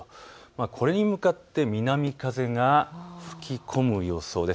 これに向かって南風が吹き込む予想です。